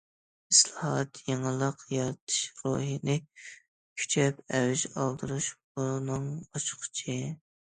ئىسلاھات، يېڭىلىق يارىتىش روھىنى كۈچەپ ئەۋج ئالدۇرۇش بۇنىڭ ئاچقۇچى.